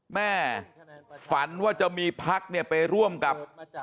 แม่ฝันว่าจะมีพักเนี่ยไปร่วมกับ